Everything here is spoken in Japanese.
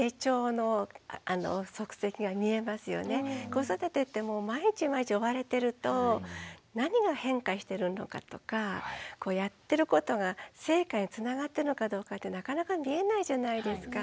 子育てって毎日毎日追われてると何が変化してるのかとかやってることが成果へつながってるのかどうかってなかなか見えないじゃないですか。